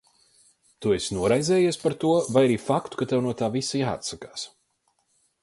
Tu esi noraizējies par to, vai arī faktu, ka tev no tā visa jāatsakās?